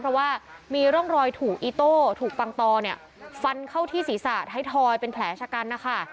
เพราะว่ามีร่องรอยถูกอีโต้ถูกปังตอเนี่ยฟันเข้าที่ศีรษะไทยทอยเป็นแผลชะกันนะคะ